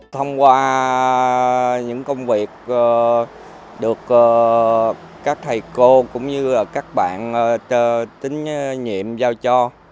thông qua những công việc được các thầy cô cũng như các bạn tín nhiệm giao cho